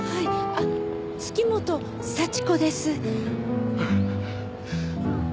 あっ月本幸子です。